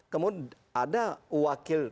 kemudian ada wakil